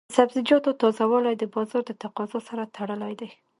د سبزیجاتو تازه والی د بازار د تقاضا سره تړلی دی.